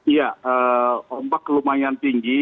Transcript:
ya ombak lumayan tinggi